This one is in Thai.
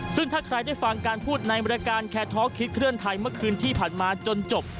ซึ่งถ้าใครได้ฟังการพูดในรายการแคร์ทอล์คิดเคลื่อนไทยเมื่อคืนที่ผ่านมาจนจบ